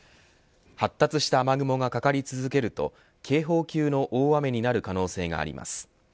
発達した雨雲が懸かり続けると警報級の大雨になる可能性があります。